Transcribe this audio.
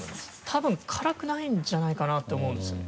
多分辛くないんじゃないかなって思うんですよ